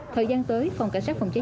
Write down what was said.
thời gian tới phòng cảnh sát phòng cháy